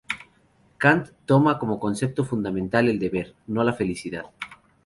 Kant toma como concepto fundamental el deber, no la felicidad.